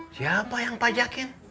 siapa yang pajakin